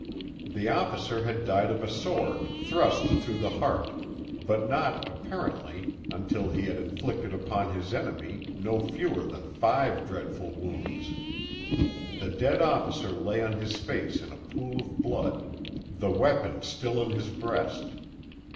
The officer had died of a sword thrust through the heart, but not, apparently, until he had inflicted upon his enemy no fewer than five dreadful wounds. The dead officer lay on his face in a pool of blood, the weapon still in his breast.